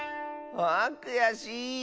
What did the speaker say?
あくやしい！